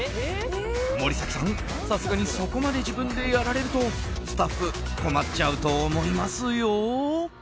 森崎さん、さすがにそこまで自分でやられるとスタッフ、困っちゃうと思いますよ。